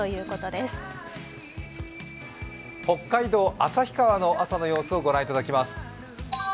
北海道旭川の朝の様子を御覧いただきます。